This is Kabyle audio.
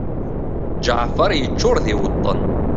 Ǧeɛfer yeččur d iweṭṭen.